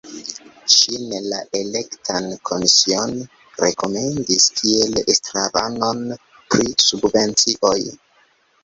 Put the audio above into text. Ŝin la elekta komisiono rekomendis kiel estraranon pri subvencioj.